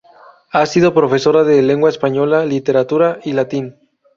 Ha sido profesora de lengua española, literatura y latín.